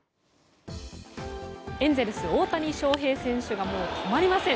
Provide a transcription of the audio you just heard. エンゼルス、大谷翔平選手が止まりません。